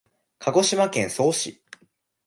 鹿児島県曽於市